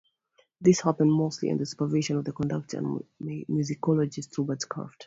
This happened mostly under the supervision of conductor and musicologist Robert Craft.